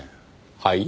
はい？